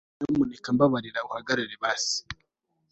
nyabuna mbabarira uhagarare basi